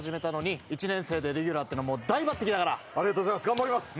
頑張ります。